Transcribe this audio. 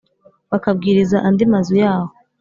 bakabwiriza andi mazu yahoo